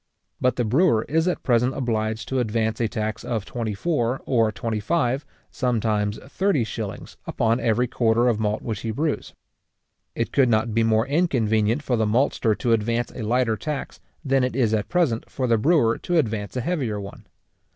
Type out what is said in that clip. But the brewer is at present obliged to advance a tax of twenty four or twenty five, sometimes thirty shillings, upon every quarter of malt which he brews. It could not be more inconvenient for the maltster to advance a lighter tax, than it is at present for the brewer to advance a heavier one.